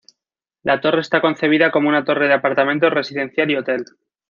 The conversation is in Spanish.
La torre está concebida como una torre de apartamentos residencial y hotel.